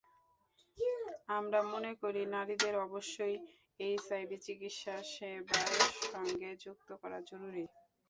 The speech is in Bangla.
আমরা মনে করি, নারীদের অবশ্যই এইচআইভি চিকিৎসাসেবার সঙ্গে যুক্ত করা জরুরি।